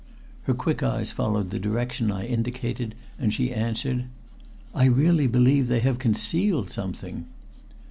Her quick eyes followed the direction I indicated, and she answered: "I really believe they have concealed something!"